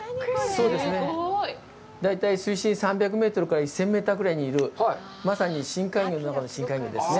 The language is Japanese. そうですね、大体水深３００メートルから１０００メートルぐらいにいる、まさに深海魚の中の深海魚ですね。